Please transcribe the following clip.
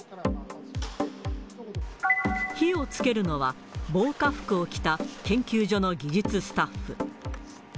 火をつけるのは、防火服を着た研究所の技術スタッフ。